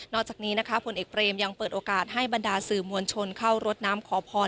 จากนี้นะคะผลเอกเบรมยังเปิดโอกาสให้บรรดาสื่อมวลชนเข้ารดน้ำขอพร